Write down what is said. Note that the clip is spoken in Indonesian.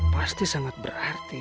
pasti sangat berarti